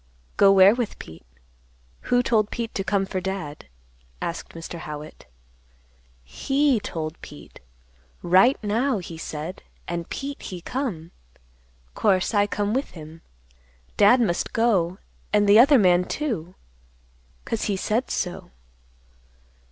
"Go where with Pete? Who told Pete to come for Dad?" asked Mr. Howitt. "He told Pete. Right now, he said. And Pete he come. 'Course I come with him. Dad must go, an' the other man too, 'cause he said so."